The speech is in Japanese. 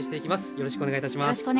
よろしくお願いします。